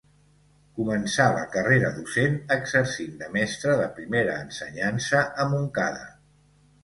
Començà la carrera docent exercint de mestre de primera ensenyança a Montcada.